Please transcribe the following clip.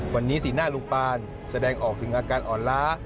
วันนี้สีหน้าลุงปานแสดงออกถึงอาการอ่อนล้า